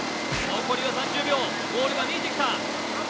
残りは３０秒、ゴールが見えてきた。